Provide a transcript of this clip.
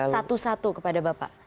satu satu kepada bapak